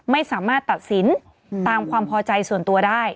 ไม่สามารถตัดสินตามความพอใจส่วนตัวได้